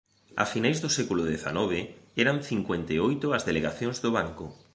A finais do século dezanove, eran cincuenta e oito as delegacións do Banco.